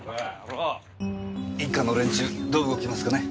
一課の連中どう動きますかね？